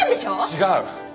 違う。